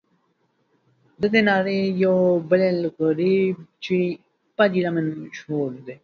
ددې نارې یو بلبل غریب چې په ګیله من مشهور و.